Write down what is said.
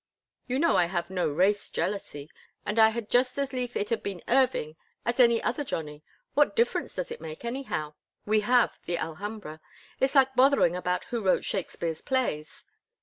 "You know I have no race jealousy, and I had just as lief it had been Irving as any other Johnny. What difference does it make, anyhow? We have the Alhambra. It's like bothering about who wrote Shakespeare's plays."